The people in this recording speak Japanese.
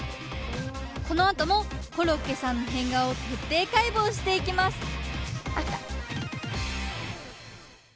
このあともコロッケさんの変顔を徹底解剖していきます